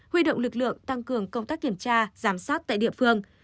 huy động lực lượng tăng cường công tác kiểm tra giám sát tại địa phương